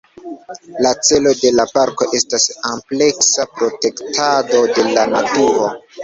La celo de la parko estas ampleksa protektado de la naturo.